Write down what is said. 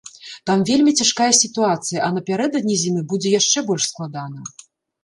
Там вельмі цяжкая сітуацыя, а напярэдадні зімы будзе яшчэ больш складана.